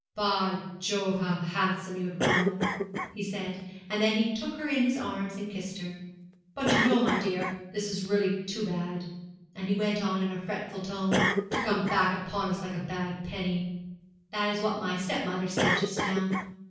'By Jove, how handsome you have grown!' he said, and then he look her in his arms and kissed her. 'But you know, my dear, this is really too bad,' he went on in a fretful tone,' to come back upon us like a bad penny.' 'That is what my step mother said just now.'